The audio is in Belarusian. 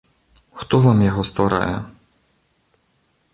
Хто вам яго стварае?